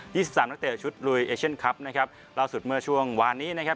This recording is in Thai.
ี่สิบสามนักเตะชุดลุยเอเชียนคลับนะครับล่าสุดเมื่อช่วงวานนี้นะครับ